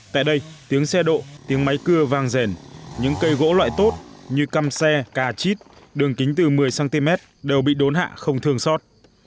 tại đây tiếng xe độ tiếng máy cưa vang rèn những cây gỗ loại tốt như căm xe cà chít đường kính từ một mươi cm đều bị đốn hạ không thường xót